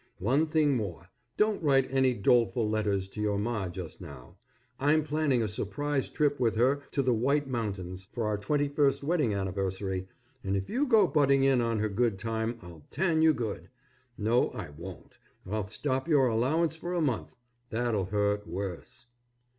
One thing more, don't write any doleful letters to your Ma just now. I'm planning a surprise trip with her to the White Mountains for our twenty first wedding anniversary, and if you go butting in on her good time I'll tan you good. No, I won't, I'll stop your allowance for a month. That'll hurt worse.